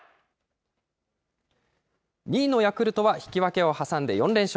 ２位のヤクルトは引き分けを挟んで４連勝。